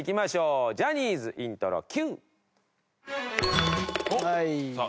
ジャニーズイントロＱ！